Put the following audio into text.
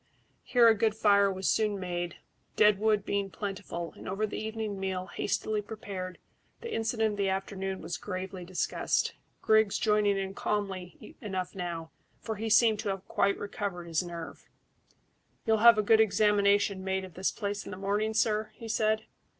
Here a good fire was soon made, dead wood being plentiful, and over the evening meal, hastily prepared, the incident of the afternoon was gravely discussed, Griggs joining in calmly enough now, for he seemed to have quite recovered his nerve. "You'll have a good examination made of this place in the morning, sir?" he said.